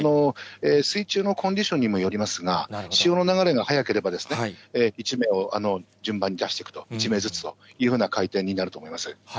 水中のコンディションにもよりますが、潮の流れが速ければ、１名を順番に出していくと、１名ずつというふうな回転になると思います。